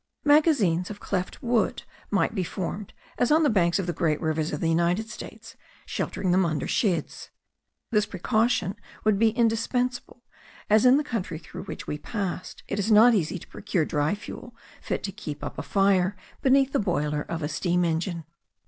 Magazines of cleft wood might be formed, as on the banks of the great rivers of the United States, sheltering them under sheds. This precaution would be indispensable, as, in the country through which we passed, it is not easy to procure dry fuel fit to keep up a fire beneath the boiler of a steam engine.